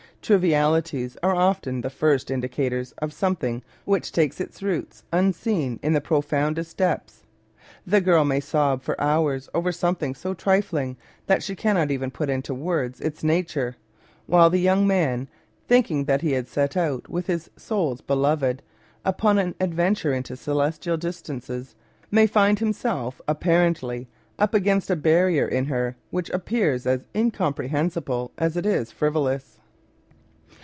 Trivi alities are often the first indicators of something which takes its roots unseen in the profoundest depths. The girl may sob for hours over something so trifling that she cannot even put into words its nature, while the young man, thinking that he had set out with his soul's beloved upon an adventure into celestial dis tances, may find himself apparently up against a barrier in her which appears as incomprehensible as it is frivolous.